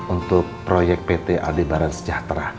untuk proyek pt aldebaran sejahtera